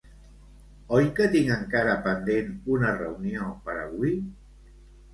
Oi que tinc encara pendent una reunió per avui?